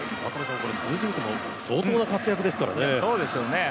数字を見ても相当な活躍ですからね。